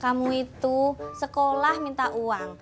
kamu itu sekolah minta uang